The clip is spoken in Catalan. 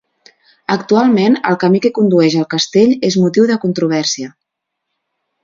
Actualment el camí que condueix al castell és motiu de controvèrsia.